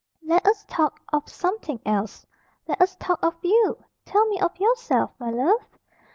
"Let us talk of something else! Let us talk of you. Tell me of yourself, my love!"